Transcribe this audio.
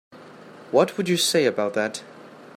What would you say about that?